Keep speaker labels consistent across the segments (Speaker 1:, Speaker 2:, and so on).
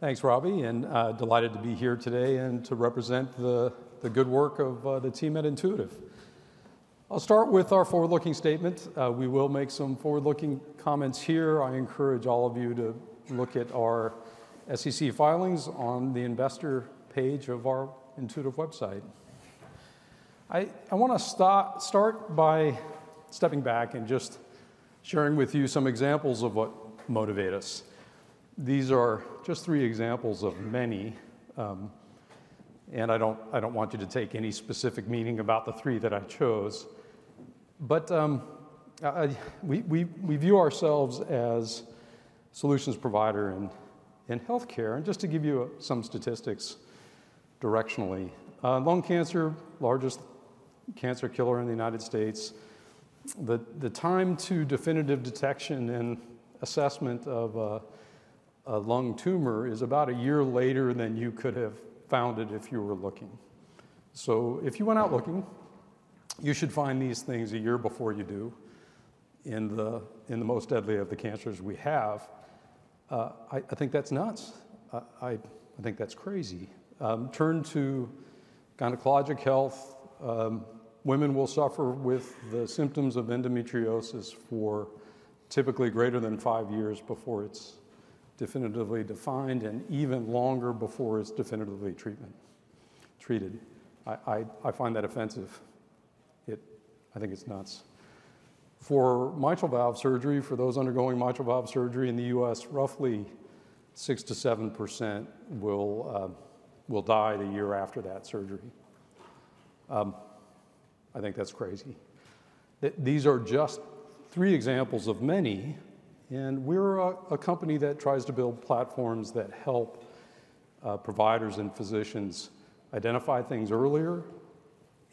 Speaker 1: Thanks, Robbie, and delighted to be here today and to represent the good work of the team at Intuitive. I'll start with our forward-looking statement. We will make some forward-looking comments here. I encourage all of you to look at our SEC filings on the investor page of our Intuitive website. I want to start by stepping back and just sharing with you some examples of what motivate us. These are just three examples of many, and I don't want you to take any specific meaning about the three that I chose. But we view ourselves as a solutions provider in healthcare. And just to give you some statistics directionally, lung cancer, largest cancer killer in the United States. The time to definitive detection and assessment of a lung tumor is about a year later than you could have found it if you were looking. So if you went out looking, you should find these things a year before you do in the most deadly of the cancers we have. I think that's nuts. I think that's crazy. Turn to gynecologic health. Women will suffer with the symptoms of endometriosis for typically greater than five years before it's definitively defined and even longer before it's definitively treated. I find that offensive. I think it's nuts. For mitral valve surgery, for those undergoing mitral valve surgery in the US, roughly 67% will die the year after that surgery. I think that's crazy. These are just three examples of many, and we're a company that tries to build platforms that help providers and physicians identify things earlier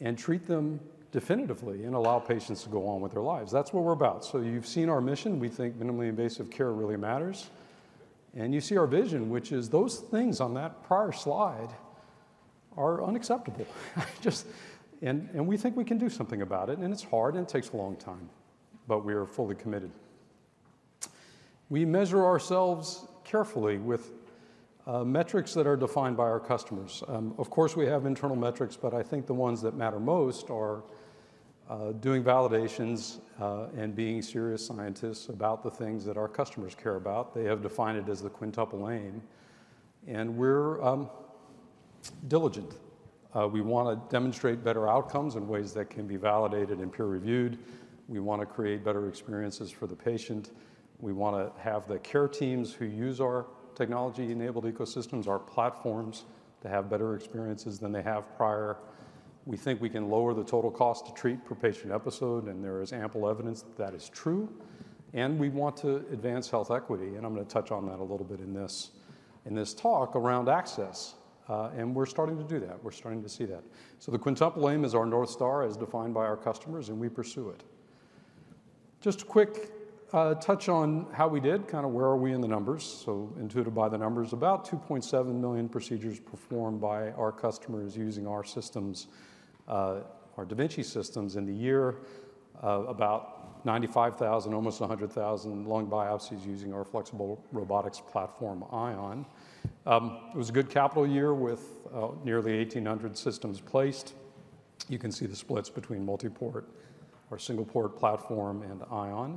Speaker 1: and treat them definitively and allow patients to go on with their lives. That's what we're about, so you've seen our mission. We think minimally invasive care really matters, and you see our vision, which is those things on that prior slide are unacceptable, and we think we can do something about it, and it's hard and it takes a long time, but we are fully committed. We measure ourselves carefully with metrics that are defined by our customers. Of course, we have internal metrics, but I think the ones that matter most are doing validations and being serious scientists about the things that our customers care about. They have defined it as the quintuple aim, and we're diligent. We want to demonstrate better outcomes in ways that can be validated and peer-reviewed. We want to create better experiences for the patient. We want to have the care teams who use our technology-enabled ecosystems, our platforms, to have better experiences than they have prior. We think we can lower the total cost to treat per patient episode, and there is ample evidence that that is true, and we want to advance health equity, and I'm going to touch on that a little bit in this talk around access, and we're starting to do that. We're starting to see that, so the quintuple aim is our North Star, as defined by our customers, and we pursue it. Just a quick touch on how we did, kind of where are we in the numbers, so Intuitive by the numbers, about 2.7 million procedures performed by our customers using our systems, our da Vinci systems in the year, about 95,000, almost 100,000 lung biopsies using our flexible robotics platform ION. It was a good capital year with nearly 1,800 systems placed. You can see the splits between multi-port or single-port platform and ION.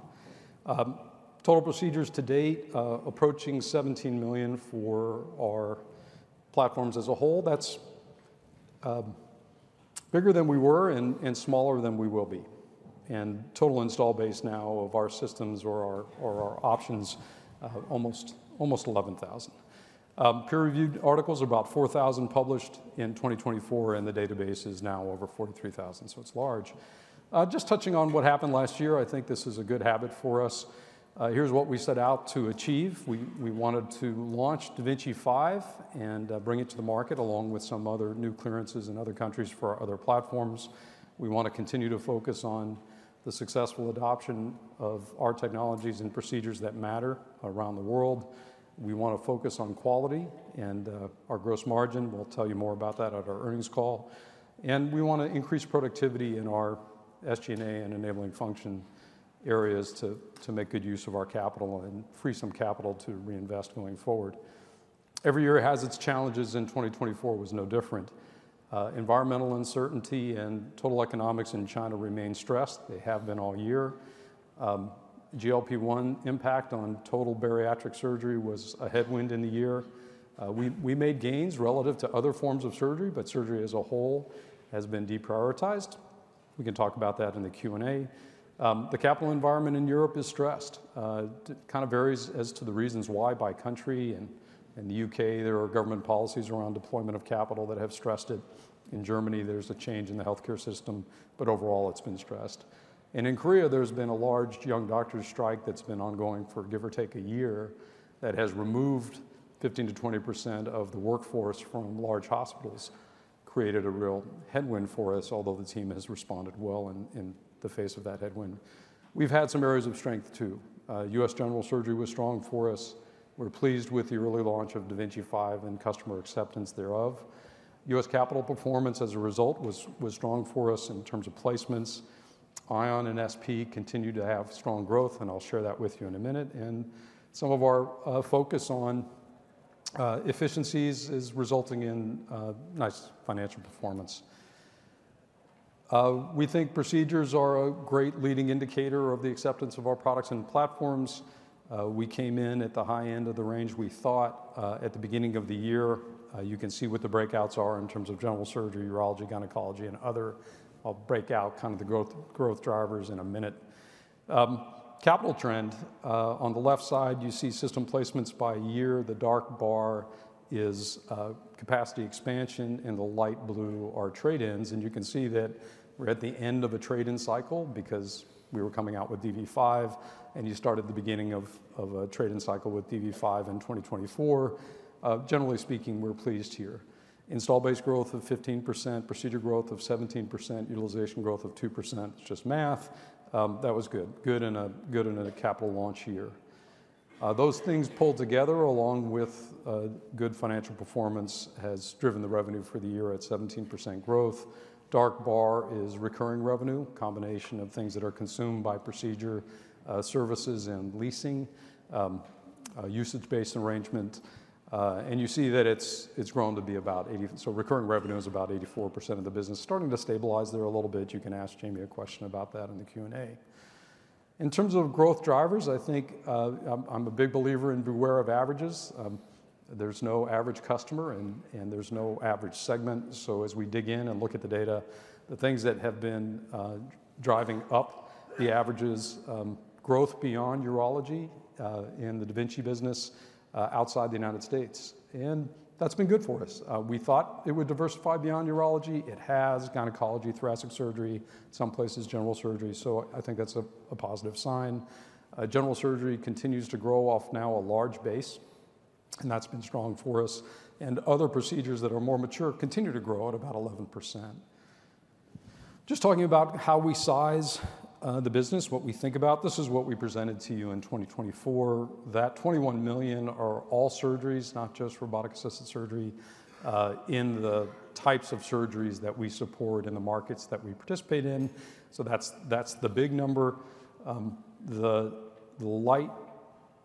Speaker 1: Total procedures to date, approaching 17 million for our platforms as a whole. That's bigger than we were and smaller than we will be. Total install base now of our systems or our options, almost 11,000. Peer-reviewed articles are about 4,000 published in 2024, and the database is now over 43,000, so it's large. Just touching on what happened last year, I think this is a good habit for us. Here's what we set out to achieve. We wanted to launch da Vinci 5 and bring it to the market along with some other new clearances in other countries for our other platforms. We want to continue to focus on the successful adoption of our technologies and procedures that matter around the world. We want to focus on quality and our gross margin. We'll tell you more about that at our earnings call. We want to increase productivity in our SG&A and enabling function areas to make good use of our capital and free some capital to reinvest going forward. Every year has its challenges, and 2024 was no different. Environmental uncertainty and total economics in China remain stressed. They have been all year. GLP-1 impact on total bariatric surgery was a headwind in the year. We made gains relative to other forms of surgery, but surgery as a whole has been deprioritized. We can talk about that in the Q&A. The capital environment in Europe is stressed. It kind of varies as to the reasons why by country. In the UK, there are government policies around deployment of capital that have stressed it. In Germany, there's a change in the healthcare system, but overall, it's been stressed. In Korea, there's been a large young doctors' strike that's been ongoing for give or take a year that has removed 15%-20% of the workforce from large hospitals, created a real headwind for us, although the team has responded well in the face of that headwind. We've had some areas of strength too. US General Surgery was strong for us. We're pleased with the early launch of da Vinci 5 and customer acceptance thereof. US Capital Performance as a result was strong for us in terms of placements. Ion and SP continued to have strong growth, and I'll share that with you in a minute. Some of our focus on efficiencies is resulting in nice financial performance. We think procedures are a great leading indicator of the acceptance of our products and platforms. We came in at the high end of the range we thought at the beginning of the year. You can see what the breakouts are in terms of general surgery, urology, gynecology, and other. I'll break out kind of the growth drivers in a minute. Capital trend. On the left side, you see system placements by year. The dark bar is capacity expansion, and the light blue are trade-ins. And you can see that we're at the end of a trade-in cycle because we were coming out with DV5, and you started the beginning of a trade-in cycle with DV5 in 2024. Generally speaking, we're pleased here. Installed-base growth of 15%, procedure growth of 17%, utilization growth of 2%. It's just math. That was good. Good in a capital launch year. Those things pulled together along with good financial performance has driven the revenue for the year at 17% growth. Dark bar is recurring revenue, a combination of things that are consumed by procedure, services, and leasing, usage-based arrangement. And you see that it's grown to be about 80%. So recurring revenue is about 84% of the business. Starting to stabilize there a little bit. You can ask Jamie a question about that in the Q&A. In terms of growth drivers, I think I'm a big believer in beware of averages. There's no average customer, and there's no average segment. So as we dig in and look at the data, the things that have been driving up the averages are growth beyond urology in the da Vinci business outside the United States. And that's been good for us. We thought it would diversify beyond urology. It has gynecology, thoracic surgery, some places general surgery. So I think that's a positive sign. General surgery continues to grow off now a large base, and that's been strong for us. Other procedures that are more mature continue to grow at about 11%. Just talking about how we size the business, what we think about. This is what we presented to you in 2024. That 21 million are all surgeries, not just robotic-assisted surgery, in the types of surgeries that we support in the markets that we participate in. So that's the big number. The light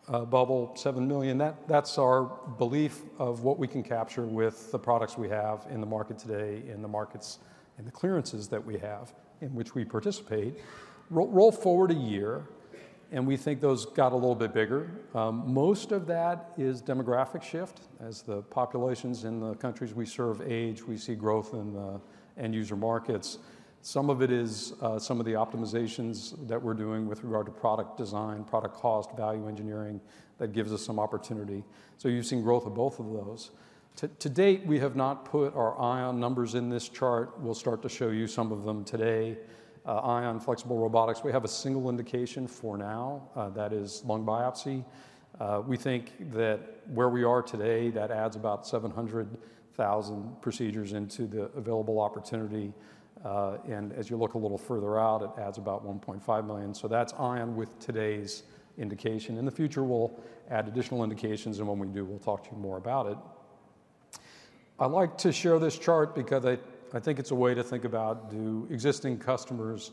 Speaker 1: bubble, 7 million, that's our belief of what we can capture with the products we have in the market today, in the markets, in the clearances that we have in which we participate. Roll forward a year, and we think those got a little bit bigger. Most of that is demographic shift. As the populations in the countries we serve age, we see growth in end-user markets. Some of it is some of the optimizations that we're doing with regard to product design, product cost, value engineering that gives us some opportunity. You've seen growth of both of those. To date, we have not put our Ion numbers in this chart. We'll start to show you some of them today. Ion, flexible robotics, we have a single indication for now. That is lung biopsy. We think that where we are today, that adds about 700,000 procedures into the available opportunity. As you look a little further out, it adds about 1.5 million. That's Ion with today's indication. In the future, we'll add additional indications, and when we do, we'll talk to you more about it. I like to share this chart because I think it's a way to think about existing customers,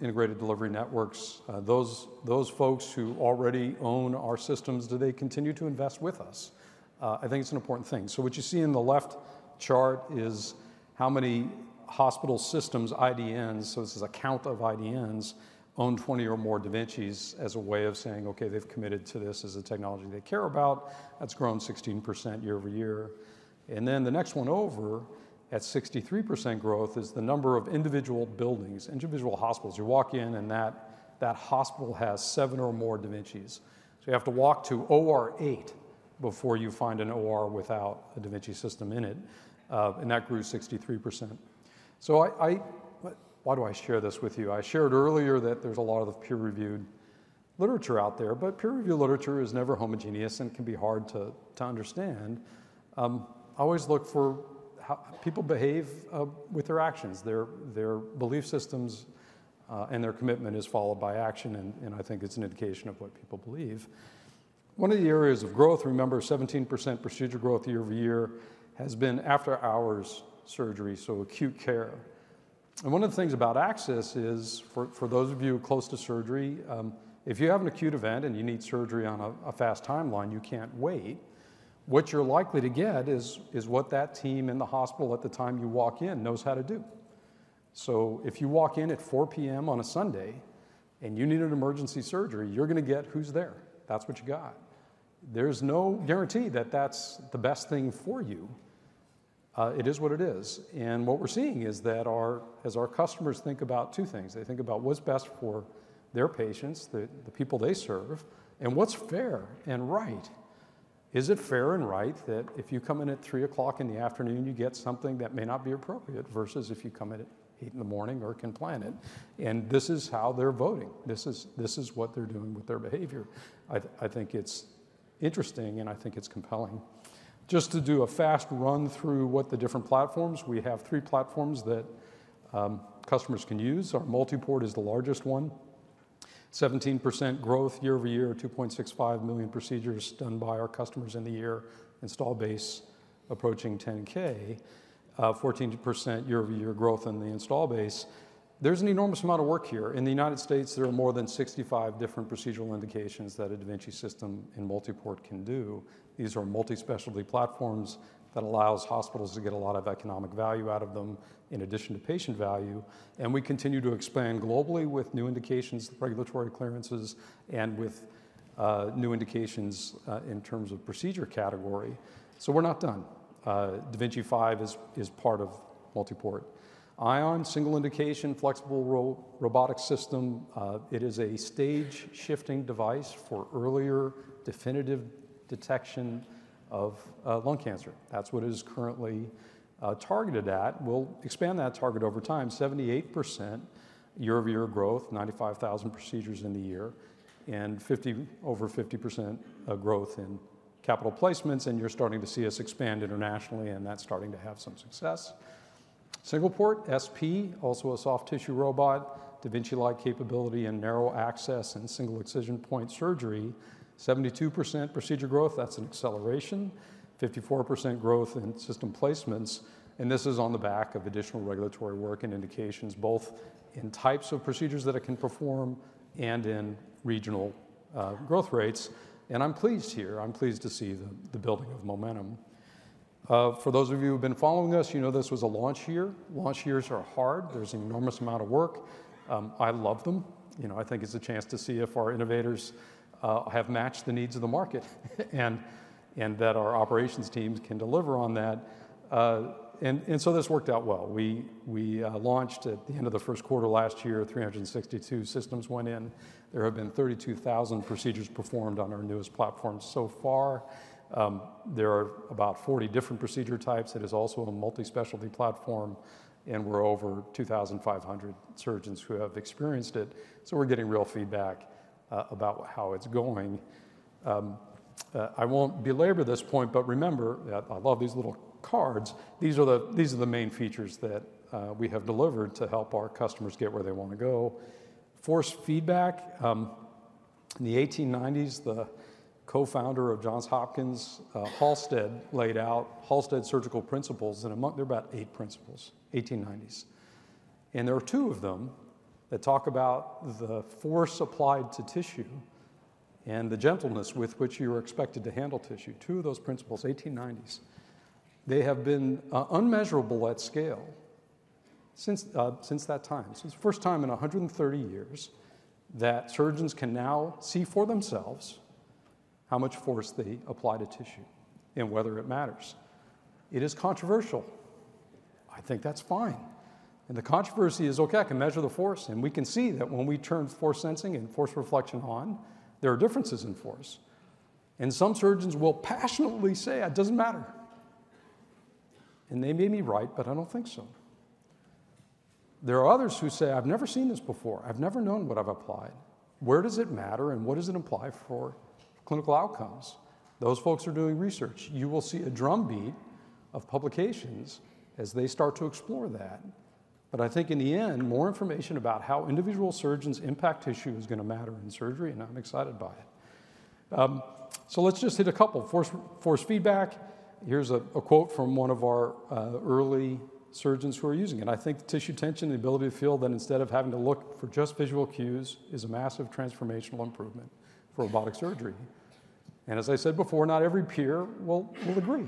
Speaker 1: Integrated Delivery Networks. Those folks who already own our systems, do they continue to invest with us? I think it's an important thing. So what you see in the left chart is how many hospital systems, IDNs, so this is a count of IDNs, own 20 or more da Vincis as a way of saying, okay, they've committed to this as a technology they care about. That's grown 16% year over year. And then the next one over at 63% growth is the number of individual buildings, individual hospitals. You walk in and that hospital has seven or more da Vincis. So you have to walk to OR 8 before you find an OR without a da Vinci system in it. And that grew 63%. So why do I share this with you? I shared earlier that there's a lot of peer-reviewed literature out there, but peer-reviewed literature is never homogeneous and can be hard to understand. I always look for how people behave with their actions. Their belief systems and their commitment are followed by action, and I think it's an indication of what people believe. One of the areas of growth, remember, 17% procedure growth year over year has been after-hours surgery, so acute care, and one of the things about access is, for those of you close to surgery, if you have an acute event and you need surgery on a fast timeline, you can't wait. What you're likely to get is what that team in the hospital at the time you walk in knows how to do, so if you walk in at 4:00 P.M. On a Sunday and you need an emergency surgery, you're going to get who's there. That's what you got. There's no guarantee that that's the best thing for you. It is what it is. And what we're seeing is that as our customers think about two things. They think about what's best for their patients, the people they serve, and what's fair and right. Is it fair and right that if you come in at 3:00 P.M., you get something that may not be appropriate versus if you come in at 8:00 A.M. or can plan it? And this is how they're voting. This is what they're doing with their behavior. I think it's interesting, and I think it's compelling. Just to do a fast run through what the different platforms, we have three platforms that customers can use. Our multi-port is the largest one. 17% growth year over year, 2.65 million procedures done by our customers in the year, install base approaching 10K, 14% year over year growth in the install base. There's an enormous amount of work here. In the United States, there are more than 65 different procedural indications that a da Vinci system in multi-port can do. These are multi-specialty platforms that allow hospitals to get a lot of economic value out of them in addition to patient value. And we continue to expand globally with new indications, regulatory clearances, and with new indications in terms of procedure category. So we're not done. da Vinci 5 is part of multi-port. Ion, single indication, flexible robotic system. It is a stage-shifting device for earlier definitive detection of lung cancer. That's what it is currently targeted at. We'll expand that target over time. 78% year over year growth, 95,000 procedures in the year, and over 50% growth in capital placements. You're starting to see us expand internationally, and that's starting to have some success. Single-port, SP, also a soft tissue robot, da Vinci-like capability and narrow access and single incision point surgery. 72% procedure growth, that's an acceleration. 54% growth in system placements. This is on the back of additional regulatory work and indications, both in types of procedures that it can perform and in regional growth rates. I'm pleased here. I'm pleased to see the building of momentum. For those of you who've been following us, you know this was a launch year. Launch years are hard. There's an enormous amount of work. I love them. I think it's a chance to see if our innovators have matched the needs of the market and that our operations teams can deliver on that, and so this worked out well. We launched at the end of the first quarter last year. 362 systems went in. There have been 32,000 procedures performed on our newest platform so far. There are about 40 different procedure types. It is also a multi-specialty platform, and we're over 2,500 surgeons who have experienced it, so we're getting real feedback about how it's going. I won't belabor this point, but remember that I love these little cards. These are the main features that we have delivered to help our customers get where they want to go. Force feedback. In the 1890s, the co-founder of Johns Hopkins, Halsted, laid out Halsted's principles. In all, there are about eight principles. There are two of them that talk about the force applied to tissue and the gentleness with which you are expected to handle tissue. Two of those principles, 1890s. They have been unmeasurable at scale since that time. So it's the first time in 130 years that surgeons can now see for themselves how much force they apply to tissue and whether it matters. It is controversial. I think that's fine. And the controversy is, okay, I can measure the force. And we can see that when we turn force sensing and force reflection on, there are differences in force. And some surgeons will passionately say, "It doesn't matter." And they may be right, but I don't think so. There are others who say, "I've never seen this before. I've never known what I've applied. Where does it matter and what does it apply for clinical outcomes?" Those folks are doing research. You will see a drumbeat of publications as they start to explore that. But I think in the end, more information about how individual surgeons impact tissue is going to matter in surgery, and I'm excited by it. So let's just hit a couple. Force feedback. Here's a quote from one of our early surgeons who are using it. I think tissue tension and the ability to feel that instead of having to look for just visual cues is a massive transformational improvement for robotic surgery. And as I said before, not every peer will agree,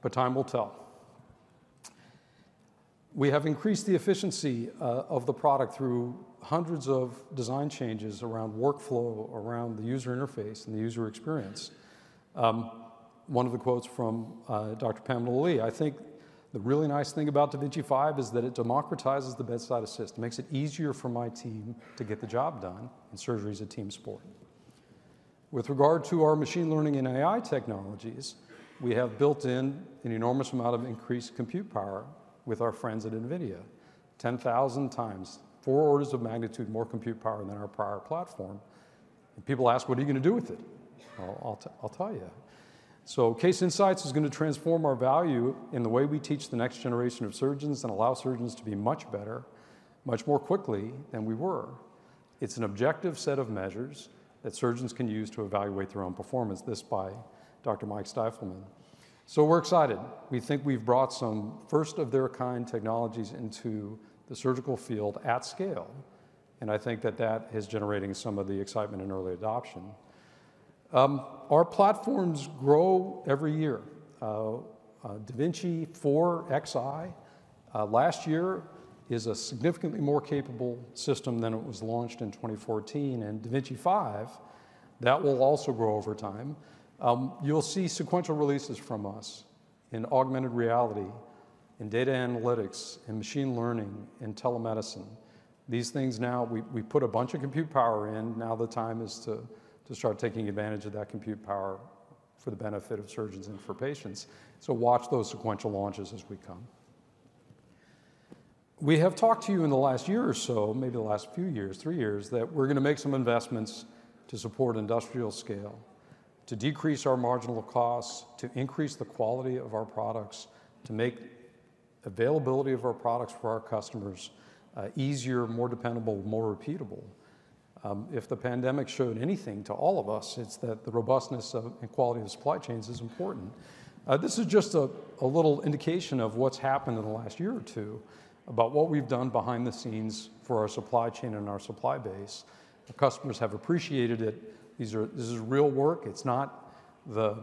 Speaker 1: but time will tell. We have increased the efficiency of the product through hundreds of design changes around workflow, around the user interface, and the user experience. One of the quotes from Dr. Pamela Lee, "I think the really nice thing about da Vinci 5 is that it democratizes the bedside assist, makes it easier for my team to get the job done, and surgery is a team sport." With regard to our machine learning and AI technologies, we have built in an enormous amount of increased compute power with our friends at NVIDIA. 10,000 times, four orders of magnitude more compute power than our prior platform. And people ask, "What are you going to do with it?" Well, I'll tell you. So Case Insights is going to transform our value in the way we teach the next generation of surgeons and allow surgeons to be much better, much more quickly than we were. It's an objective set of measures that surgeons can use to evaluate their own performance. This by Dr. Mike Stifelman. So we're excited. We think we've brought some first-of-their-kind technologies into the surgical field at scale. And I think that that is generating some of the excitement in early adoption. Our platforms grow every year. da Vinci Xi, last year, is a significantly more capable system than it was launched in 2014. And da Vinci 5, that will also grow over time. You'll see sequential releases from us in augmented reality, in data analytics, in machine learning, in telemedicine. These things now, we put a bunch of compute power in. Now the time is to start taking advantage of that compute power for the benefit of surgeons and for patients. So watch those sequential launches as we come. We have talked to you in the last year or so, maybe the last few years, three years, that we're going to make some investments to support industrial scale, to decrease our marginal costs, to increase the quality of our products, to make availability of our products for our customers easier, more dependable, more repeatable. If the pandemic showed anything to all of us, it's that the robustness and quality of the supply chains is important. This is just a little indication of what's happened in the last year or two about what we've done behind the scenes for our supply chain and our supply base. Our customers have appreciated it. This is real work. It's not the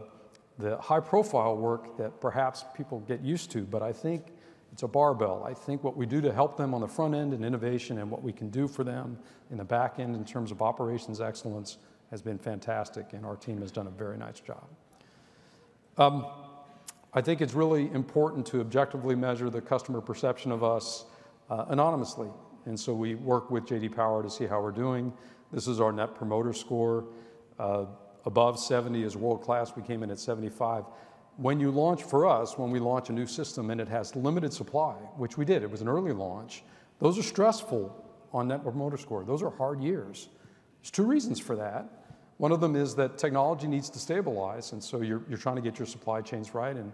Speaker 1: high-profile work that perhaps people get used to, but I think it's a barbell. I think what we do to help them on the front end in innovation and what we can do for them in the back end in terms of operations excellence has been fantastic, and our team has done a very nice job. I think it's really important to objectively measure the customer perception of us anonymously, and so we work with J.D. Power to see how we're doing. This is our net promoter score. Above 70 is world-class. We came in at 75. When you launch for us, when we launch a new system and it has limited supply, which we did, it was an early launch, those are stressful on net promoter score. Those are hard years. There's two reasons for that. One of them is that technology needs to stabilize. And so you're trying to get your supply chains right and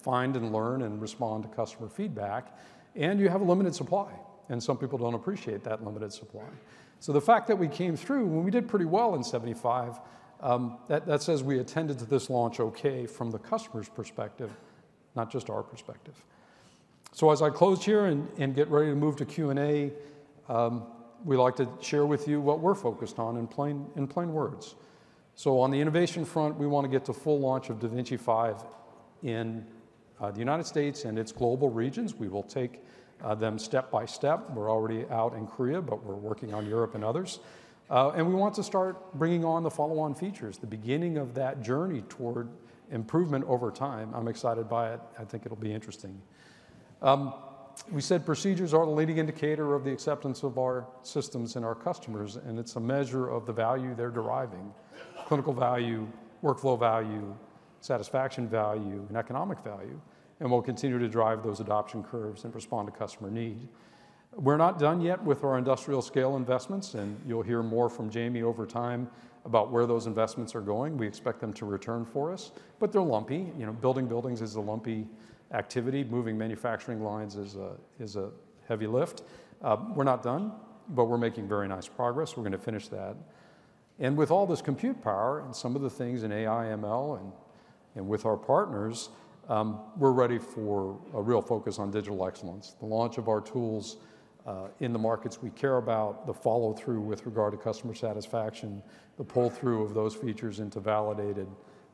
Speaker 1: find and learn and respond to customer feedback. And you have limited supply. And some people don't appreciate that limited supply. So the fact that we came through, when we did pretty well in 75, that says we attended to this launch okay from the customer's perspective, not just our perspective. So as I close here and get ready to move to Q&A, we'd like to share with you what we're focused on in plain words. So on the innovation front, we want to get to full launch of da Vinci 5 in the United States and its global regions. We will take them step by step. We're already out in Korea, but we're working on Europe and others. And we want to start bringing on the follow-on features, the beginning of that journey toward improvement over time. I'm excited by it. I think it'll be interesting. We said procedures are the leading indicator of the acceptance of our systems and our customers, and it's a measure of the value they're deriving: clinical value, workflow value, satisfaction value, and economic value, and we'll continue to drive those adoption curves and respond to customer need. We're not done yet with our industrial scale investments, and you'll hear more from Jamie over time about where those investments are going. We expect them to return for us, but they're lumpy. Building buildings is a lumpy activity. Moving manufacturing lines is a heavy lift. We're not done, but we're making very nice progress. We're going to finish that, and with all this compute power and some of the things in AI, ML, and with our partners, we're ready for a real focus on digital excellence. The launch of our tools in the markets we care about, the follow-through with regard to customer satisfaction, the pull-through of those features into validated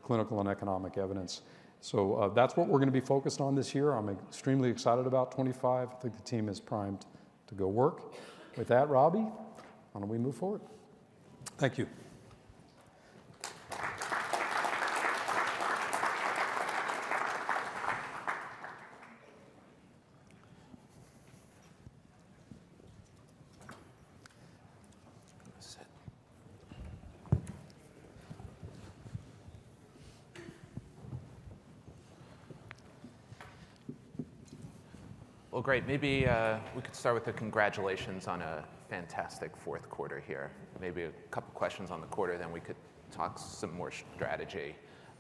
Speaker 1: clinical and economic evidence. So that's what we're going to be focused on this year. I'm extremely excited about 25. I think the team is primed to go work. With that, Robbie, why don't we move forward?
Speaker 2: Thank you. Well, great. Maybe we could start with the congratulations on a fantastic fourth quarter here. Maybe a couple of questions on the quarter, then we could talk some more strategy.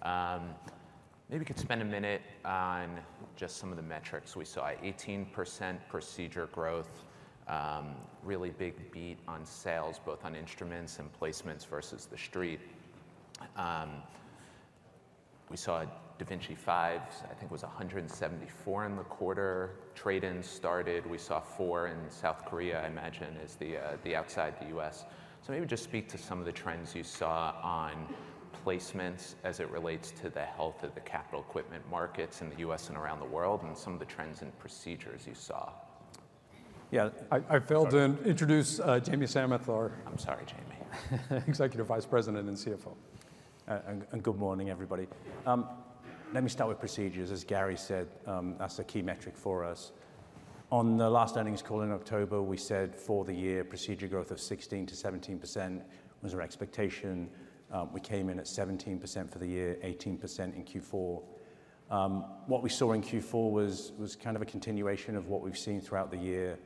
Speaker 2: Maybe we could spend a minute on just some of the metrics we saw. 18% procedure growth, really big beat on sales, both on instruments and placements versus the street. We saw da Vinci 5, I think was 174 in the quarter. Trade-in started. We saw four in South Korea, I imagine, is the outside the US. So maybe just speak to some of the trends you saw on placements as it relates to the health of the capital equipment markets in the US and around the world and some of the trends in procedures you saw.
Speaker 1: Yeah, I failed to introduce Jamie Samath.
Speaker 2: I'm sorry, Jamie.
Speaker 1: Executive Vice President and CFO.
Speaker 3: And good morning, everybody. Let me start with procedures. As Gary said, that's a key metric for us. On the last earnings call in October, we said for the year, procedure growth of 16% to 17% was our expectation. We came in at 17% for the year, 18% in Q4. What we saw in Q4 was kind of a continuation of what we've seen throughout the year.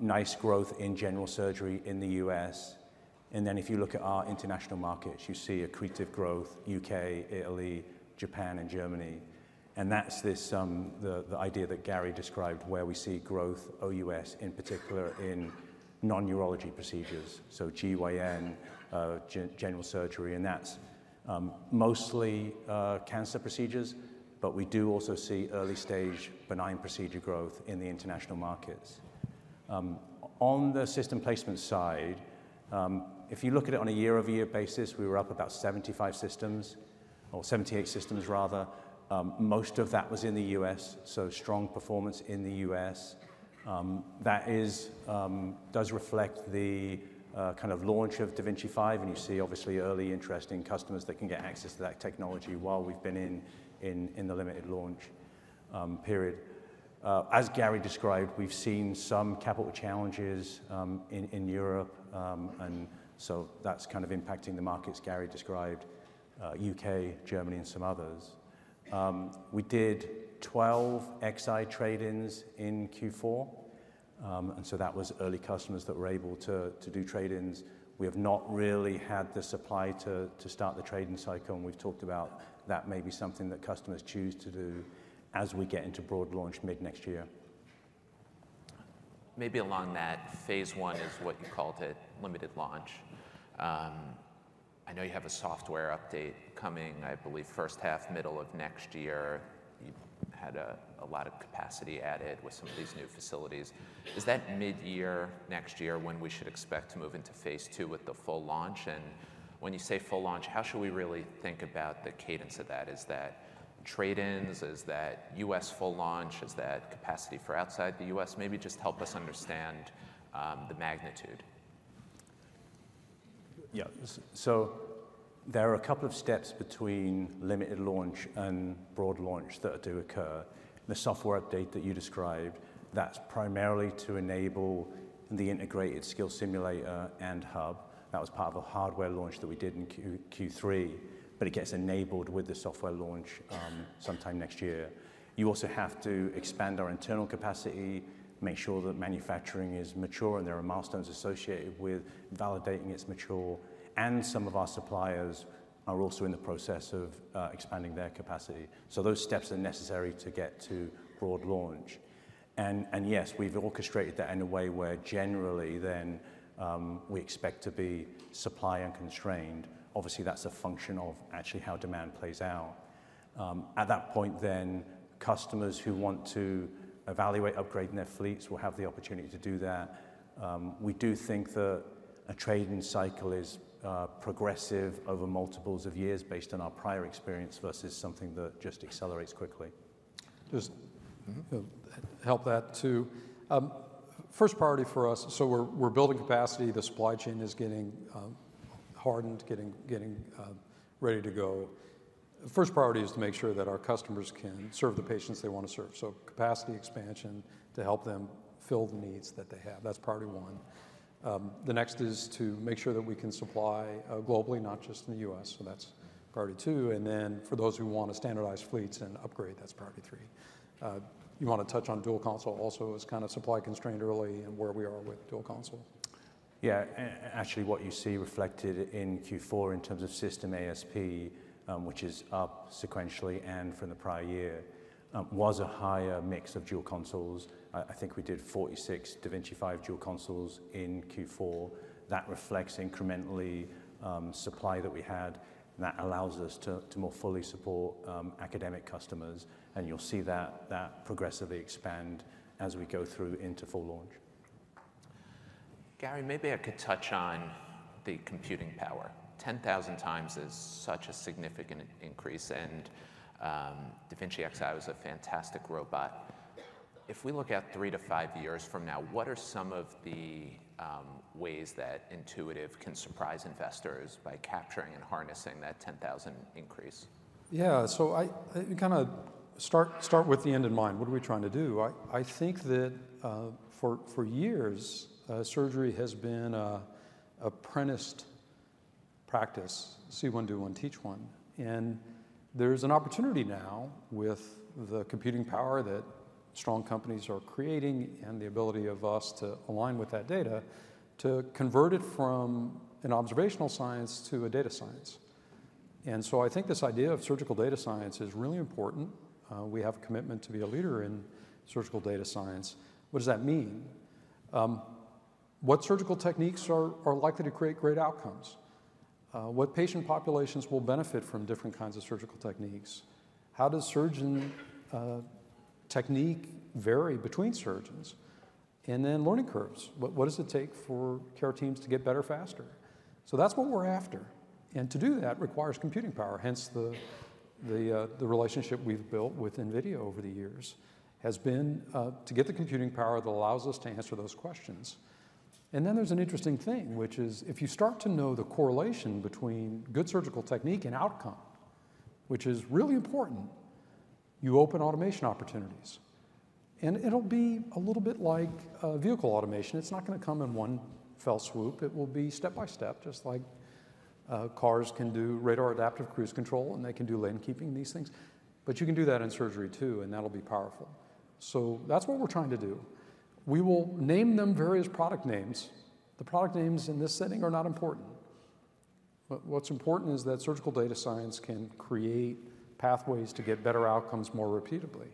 Speaker 3: Nice growth in general surgery in the US. And then if you look at our international markets, you see accretive growth: UK, Italy, Japan, and Germany. That's the idea that Gary described, where we see growth, OUS in particular, in non-neurology procedures. So GYN, general surgery. And that's mostly cancer procedures, but we do also see early-stage benign procedure growth in the international markets. On the system placement side, if you look at it on a year-over-year basis, we were up about 75 systems, or 78 systems, rather. Most of that was in the US, so strong performance in the US That does reflect the kind of launch of da Vinci 5. And you see, obviously, early interest in customers that can get access to that technology while we've been in the limited launch period. As Gary described, we've seen some capital challenges in Europe. And so that's kind of impacting the markets Gary described: UK, Germany, and some others. We did 12 Xi trade-ins in Q4. And so that was early customers that were able to do trade-ins. We have not really had the supply to start the trade-in cycle. And we've talked about that may be something that customers choose to do as we get into broad launch mid-next year.
Speaker 2: Maybe along that, phase one is what you called it, limited launch. I know you have a software update coming, I believe, first half, middle of next year. You had a lot of capacity added with some of these new facilities. Is that mid-year next year when we should expect to move into phase two with the full launch? And when you say full launch, how should we really think about the cadence of that? Is that trade-ins? Is that US full launch? Is that capacity for outside the US? Maybe just help us understand the magnitude.
Speaker 3: Yeah, so there are a couple of steps between limited launch and broad launch that do occur. The software update that you described, that's primarily to enable the integrated skill simulator and hub. That was part of a hardware launch that we did in Q3, but it gets enabled with the software launch sometime next year. You also have to expand our internal capacity, make sure that manufacturing is mature, and there are milestones associated with validating it's mature. And some of our suppliers are also in the process of expanding their capacity. So those steps are necessary to get to broad launch. And yes, we've orchestrated that in a way where generally then we expect to be supply-unconstrained. Obviously, that's a function of actually how demand plays out. At that point then, customers who want to evaluate upgrading their fleets will have the opportunity to do that. We do think that a trade-in cycle is progressive over multiples of years based on our prior experience versus something that just accelerates quickly.
Speaker 1: Just help that too. First priority for us, so we're building capacity. The supply chain is getting hardened, getting ready to go. First priority is to make sure that our customers can serve the patients they want to serve. So capacity expansion to help them fill the needs that they have. That's priority one. The next is to make sure that we can supply globally, not just in the US. So that's priority two. And then for those who want to standardize fleets and upgrade, that's priority three. You want to touch on dual console also as kind of supply-constrained early and where we are with dual console.
Speaker 3: Yeah, actually what you see reflected in Q4 in terms of system ASP, which is up sequentially and from the prior year, was a higher mix of dual consoles. I think we did 46 da Vinci 5 dual consoles in Q4. That reflects incremental supply that we had. That allows us to more fully support academic customers. And you'll see that progressively expand as we go through into full launch.
Speaker 2: Gary, maybe I could touch on the computing power. 10,000 times is such a significant increase. And da Vinci Xi was a fantastic robot. If we look at three to five years from now, what are some of the ways that Intuitive can surprise investors by capturing and harnessing that 10,000 increase?
Speaker 1: Yeah, so you kind of start with the end in mind. What are we trying to do? I think that for years, surgery has been an apprenticed practice, see one, do one, teach one. And there's an opportunity now with the computing power that strong companies are creating and the ability of us to align with that data to convert it from an observational science to a data science. And so I think this idea of surgical data science is really important. We have a commitment to be a leader in surgical data science. What does that mean? What surgical techniques are likely to create great outcomes? What patient populations will benefit from different kinds of surgical techniques? How does surgeon technique vary between surgeons? And then learning curves. What does it take for care teams to get better faster? So that's what we're after. And to do that requires computing power. Hence the relationship we've built with NVIDIA over the years has been to get the computing power that allows us to answer those questions. And then there's an interesting thing, which is if you start to know the correlation between good surgical technique and outcome, which is really important, you open automation opportunities. And it'll be a little bit like vehicle automation. It's not going to come in one fell swoop. It will be step by step, just like cars can do radar adaptive cruise control and they can do lane keeping and these things. But you can do that in surgery too, and that'll be powerful. So that's what we're trying to do. We will name them various product names. The product names in this setting are not important. What's important is that surgical data science can create pathways to get better outcomes more repeatedly.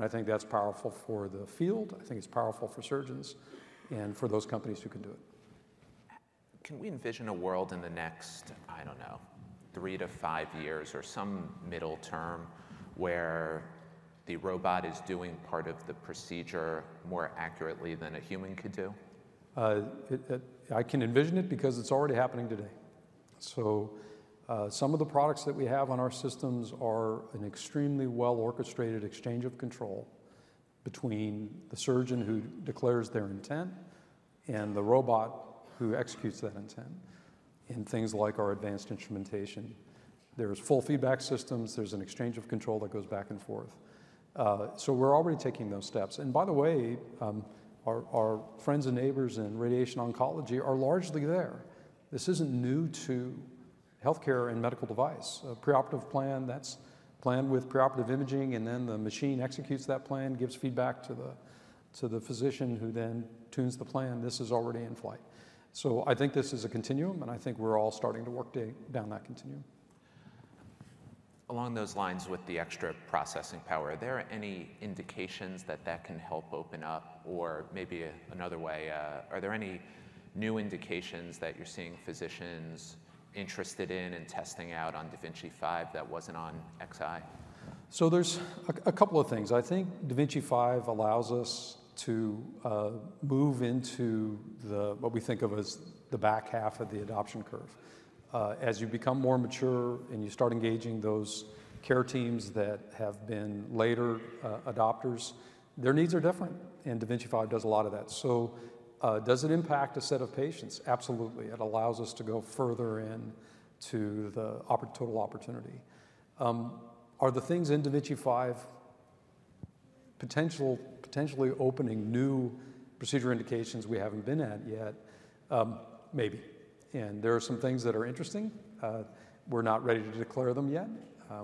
Speaker 1: I think that's powerful for the field. I think it's powerful for surgeons and for those companies who can do it.
Speaker 2: Can we envision a world in the next, I don't know, three-to-five years or some middle term where the robot is doing part of the procedure more accurately than a human could do?
Speaker 1: I can envision it because it's already happening today. Some of the products that we have on our systems are an extremely well-orchestrated exchange of control between the surgeon who declares their intent and the robot who executes that intent in things like our advanced instrumentation. There's force feedback systems. There's an exchange of control that goes back and forth. We're already taking those steps. And by the way, our friends and neighbors in radiation oncology are largely there. This isn't new to healthcare and medical device. A preoperative plan that's planned with preoperative imaging, and then the machine executes that plan, gives feedback to the physician who then tunes the plan. This is already in flight. I think this is a continuum, and I think we're all starting to work down that continuum.
Speaker 2: Along those lines with the extra processing power, are there any indications that that can help open up or maybe another way? Are there any new indications that you're seeing physicians interested in and testing out on da Vinci 5 that wasn't on da Vinci Xi?
Speaker 3: There's a couple of things. I think da Vinci 5 allows us to move into what we think of as the back half of the adoption curve. As you become more mature and you start engaging those care teams that have been later adopters, their needs are different. Da Vinci 5 does a lot of that. So does it impact a set of patients? Absolutely. It allows us to go further into the total opportunity. Are the things in da Vinci 5 potentially opening new procedure indications we haven't been at yet? Maybe. And there are some things that are interesting. We're not ready to declare them yet.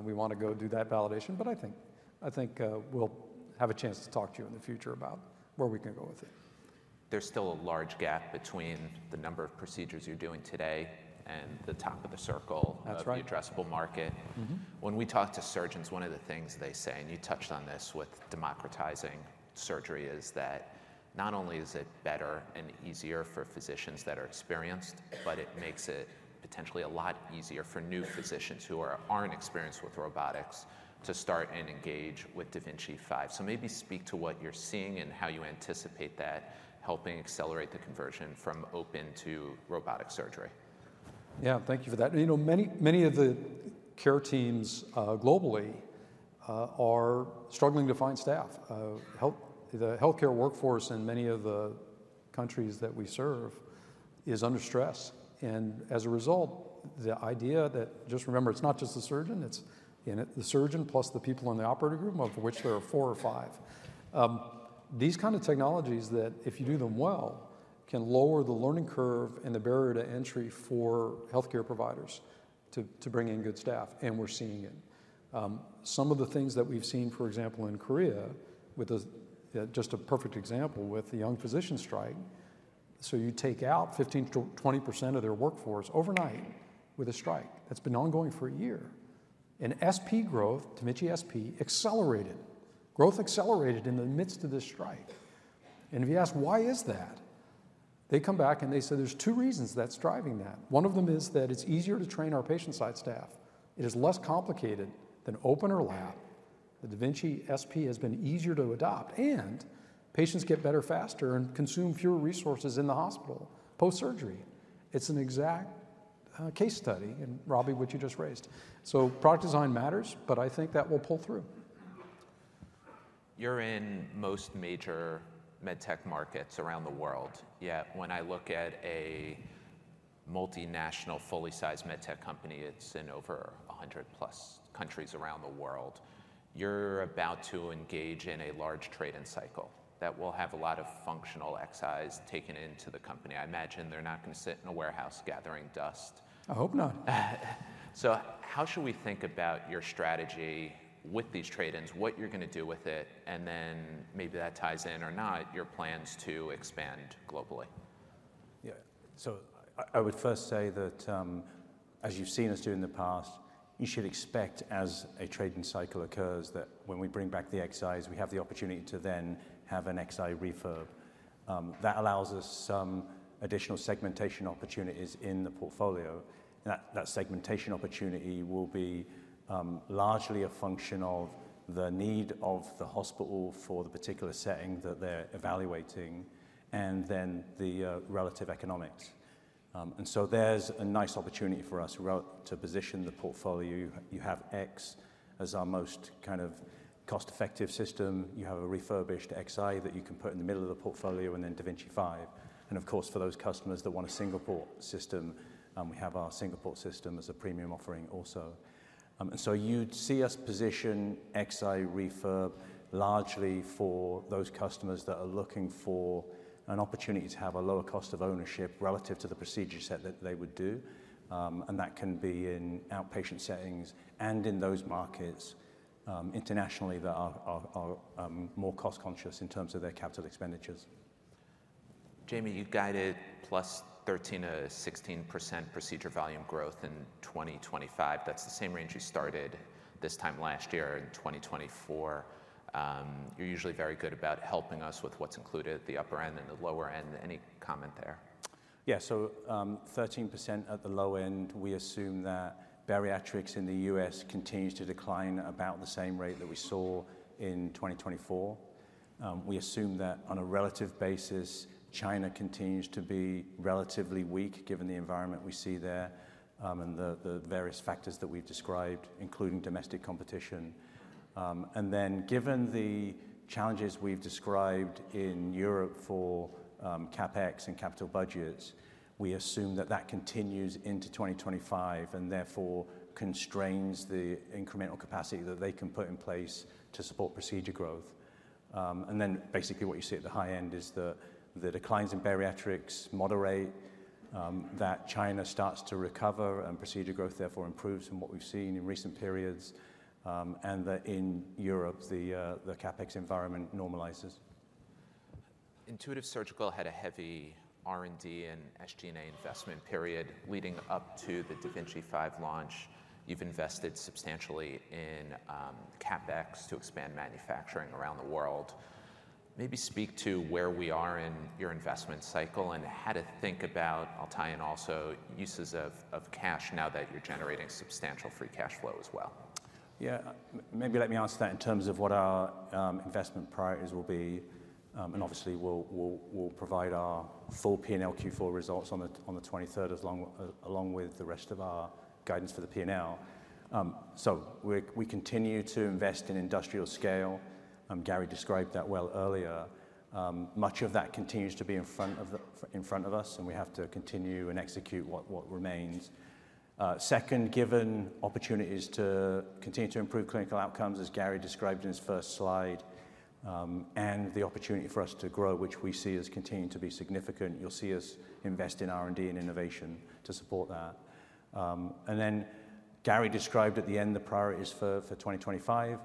Speaker 3: We want to go do that validation. But I think we'll have a chance to talk to you in the future about where we can go with it.
Speaker 2: There's still a large gap between the number of procedures you're doing today and the top of the circle of the addressable market. When we talk to surgeons, one of the things they say, and you touched on this with democratizing surgery, is that not only is it better and easier for physicians that are experienced, but it makes it potentially a lot easier for new physicians who aren't experienced with robotics to start and engage with da Vinci 5. So maybe speak to what you're seeing and how you anticipate that helping accelerate the conversion from open to robotic surgery.
Speaker 1: Yeah, thank you for that. And many of the care teams globally are struggling to find staff. The healthcare workforce in many of the countries that we serve is under stress. And as a result, the idea that, just remember, it's not just the surgeon. It's the surgeon plus the people in the operating room, of which there are four or five. These kinds of technologies that, if you do them well, can lower the learning curve and the barrier to entry for healthcare providers to bring in good staff, and we're seeing it. Some of the things that we've seen, for example, in Korea, with just a perfect example with the young physicians' strike. You take out 15% to 20% of their workforce overnight with a strike that's been ongoing for a year, and da Vinci SP growth, da Vinci SP, accelerated. Growth accelerated in the midst of this strike, and if you ask, why is that? They come back and they say there's two reasons that's driving that. One of them is that it's easier to train our patient-side staff. It is less complicated than open or lap. The da Vinci SP has been easier to adopt, and patients get better faster and consume fewer resources in the hospital post-surgery. It's an exact case study and probably what you just raised. So product design matters, but I think that will pull through.
Speaker 2: You're in most major med tech markets around the world. Yet when I look at a multinational fully-sized med tech company, it's in over 100 plus countries around the world, you're about to engage in a large trade-in cycle that will have a lot of functional Xis taken into the company. I imagine they're not going to sit in a warehouse gathering dust. I hope not. So how should we think about your strategy with these trade-ins, what you're going to do with it, and then maybe that ties in or not your plans to expand globally?
Speaker 3: Yeah, so I would first say that as you've seen us do in the past, you should expect as a trade-in cycle occurs that when we bring back the Xis, we have the opportunity to then have an Xi refurb. That allows us some additional segmentation opportunities in the portfolio. That segmentation opportunity will be largely a function of the need of the hospital for the particular setting that they're evaluating and then the relative economics. And so there's a nice opportunity for us to position the portfolio. You have X as our most kind of cost-effective system. You have a refurbished Xi that you can put in the middle of the portfolio and then da Vinci 5. And of course, for those customers that want a single port system, we have our single port system as a premium offering also. And so you'd see us position Xi refurb largely for those customers that are looking for an opportunity to have a lower cost of ownership relative to the procedure set that they would do. And that can be in outpatient settings and in those markets internationally that are more cost-conscious in terms of their capital expenditures.
Speaker 2: Jamie, you guided 13%-16% procedure volume growth in 2025. That's the same range you started this time last year in 2024. You're usually very good about helping us with what's included at the upper end and the lower end. Any comment there?
Speaker 3: Yeah, so 13% at the low end. We assume that bariatrics in the US continues to decline about the same rate that we saw in 2024. We assume that on a relative basis, China continues to be relatively weak given the environment we see there and the various factors that we've described, including domestic competition. And then given the challenges we've described in Europe for CapEx and capital budgets, we assume that that continues into 2025 and therefore constrains the incremental capacity that they can put in place to support procedure growth. And then basically what you see at the high end is the declines in bariatrics moderate, that China starts to recover and procedure growth therefore improves from what we've seen in recent periods, and that in Europe, the CapEx environment normalizes.
Speaker 2: Intuitive Surgical had a heavy R&D and SG&A investment period leading up to the da Vinci 5 launch. You've invested substantially in CapEx to expand manufacturing around the world. Maybe speak to where we are in your investment cycle and how to think about, I'll tie in also, uses of cash now that you're generating substantial free cash flow as well.
Speaker 3: Yeah, maybe let me ask that in terms of what our investment priorities will be, and obviously, we'll provide our full P&L Q4 results on the 23rd along with the rest of our guidance for the P&L, so we continue to invest in industrial scale. Gary described that well earlier. Much of that continues to be in front of us, and we have to continue and execute what remains. Second, given opportunities to continue to improve clinical outcomes, as Gary described in his first slide, and the opportunity for us to grow, which we see as continuing to be significant, you'll see us invest in R&D and innovation to support that.
Speaker 1: And then Gary described at the end the priorities for 2025.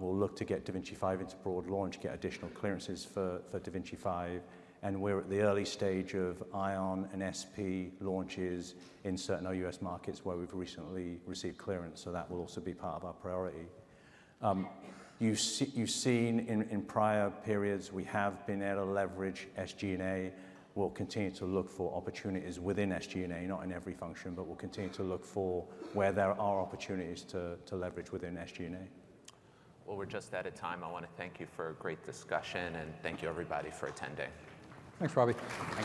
Speaker 1: We'll look to get da Vinci 5 into broad launch, get additional clearances for da Vinci 5. And we're at the early stage of Ion and SP launches in certain OUS markets where we've recently received clearance. So that will also be part of our priority. You've seen in prior periods we have been able to leverage SG&A. We'll continue to look for opportunities within SG&A, not in every function, but we'll continue to look for where there are opportunities to leverage within SG&A.
Speaker 2: Well, we're just out of time. I want to thank you for a great discussion, and thank you everybody for attending.
Speaker 1: Thanks, Robbie. Thank you.